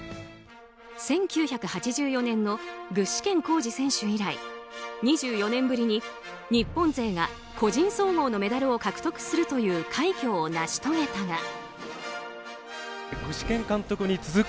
１９８４年の具志堅幸司選手以来２４年ぶりに日本勢が個人総合のメダルを獲得するという快挙を成し遂げたが。